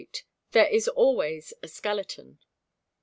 THERE IS ALWAYS A SKELETON.